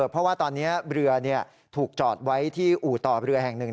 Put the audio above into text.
เพราะว่าตอนนี้เรือถูกจอดไว้ที่อู่ต่อเรือแห่งหนึ่ง